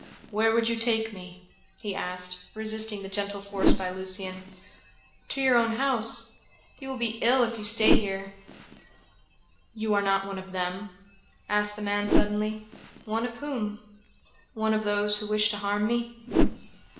"Where would you take me?" he asked, resisting the gentle force used by Lucian. "To your own house. You will be ill if you stay here." "You are not one of them?" asked the man suddenly. "One of whom?" "One of those who wish to harm me?"